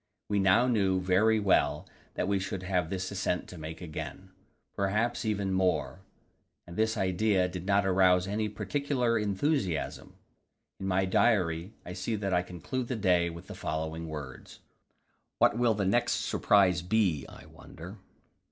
We now knew very well that we should have this ascent to make again, perhaps even more; and this idea did not arouse any particular enthusiasm. In my diary I see that I conclude the day with the following words "What will the next surprise be, I wonder?"